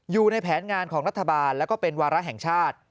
อยู่ในแผนงานของรัฐบาลแล้วก็เป็นวาระแห่งชาติ